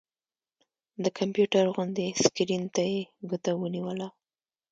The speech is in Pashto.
د کمپيوټر غوندې سکرين ته يې ګوته ونيوله